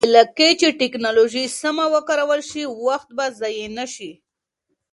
په پایله کې چې ټکنالوژي سمه وکارول شي، وخت به ضایع نه شي.